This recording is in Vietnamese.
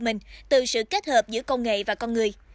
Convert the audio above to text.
mình từ sự kết hợp giữa công nghệ và con người